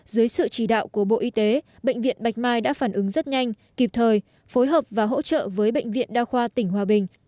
dưới sự chỉ đạo của bộ y tế bệnh viện bạch mai đã phản ứng rất nhanh kịp thời phối hợp và hỗ trợ với bệnh viện đa khoa tỉnh hòa bình